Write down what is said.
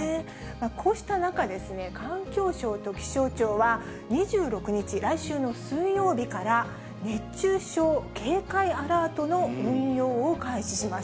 こうした中、環境省と気象庁は、２６日、来週の水曜日から、熱中症警戒アラートの運用を開始します。